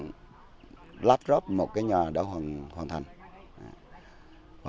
những laptop một cái nhà đã hoàn thành